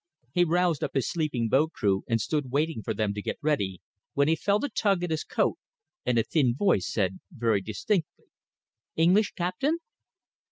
He roused up his sleeping boat crew and stood waiting for them to get ready, when he felt a tug at his coat and a thin voice said, very distinctly "English captain."